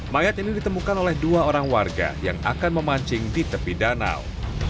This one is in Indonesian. mayat ini ditemukan oleh dua orang warga yang akan memancing di tepi danau